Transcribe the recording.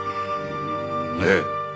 ええ。